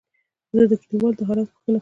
زه د کليوالو د حالاتو پوښتنه کوم.